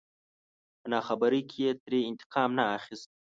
په ناخبرۍ کې يې ترې انتقام نه اخست.